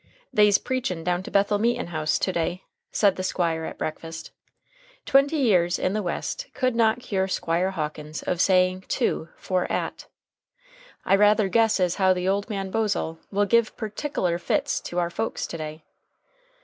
"They's preachin' down to Bethel Meetin' house to day," said the Squire at breakfast. Twenty years In the West could not cure Squire Hawkins of saying "to" for "at." "I rather guess as how the old man Bosaw will give pertickeler fits to our folks to day."